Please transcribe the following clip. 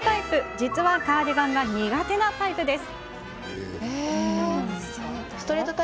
実はカーディガンが苦手なタイプです。